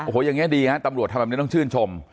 โอ้โหอย่างนี้ดีฮะตำรวจทำแบบนี้ต้องชื่นชม